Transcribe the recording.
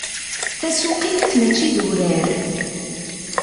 Tasuqilt mačči d urar.